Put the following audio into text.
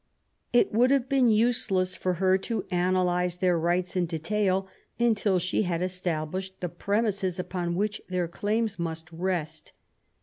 It would have been useless for her to analyze their rights in detail until she had established the premises upon which their claims must rest.